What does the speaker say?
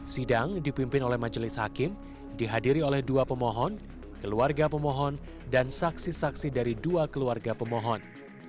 sidang dipimpin oleh majelis hakim dihadiri oleh dua pemohon keluarga pemohon dan saksi saksi dari dua keluarga pemohon